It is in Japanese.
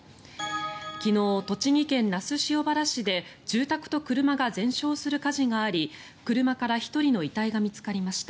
昨日、栃木県那須塩原市で住宅と車が全焼する火事があり車から１人の遺体が見つかりました。